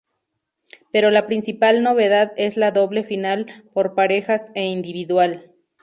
Pero la principal novedad es la doble final por parejas e individual.